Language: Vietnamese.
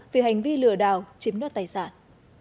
vì hành vi lừa đào chiếm đoạt tài sản